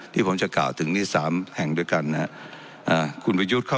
ที่ผมจะกล่าวถึงนี้๓แห่งด้วยกันคุณผู้ขยุดเข้า